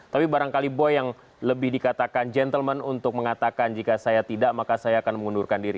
tapi barangkali boy yang lebih dikatakan gentleman untuk mengatakan jika saya tidak maka saya akan mengundurkan diri